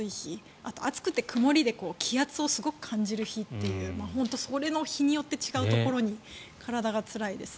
あとは暑くて曇りで気圧をすごく感じる日というそれが日によって違うところが体がつらいですね。